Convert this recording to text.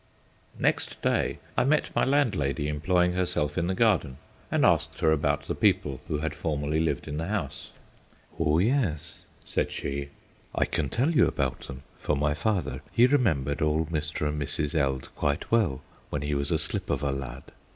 Next day I met my landlady employing herself in the garden, and asked her about the people who had formerly lived in the house. "Oh yes," said she. "I can tell you about them, for my father he remembered old Mr. and Mrs. Eld quite well when he was a slip of a lad.